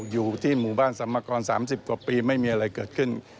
อยู่ที่หมู่บ้านสรรพากร๓๐กว่าปีไม่มีอะไรเกิดขึ้น